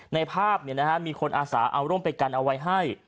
ในภาพมีคนอาสาเอาร่มไปกันเอาไว้ให้